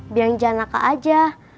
bilang jangan nakal aja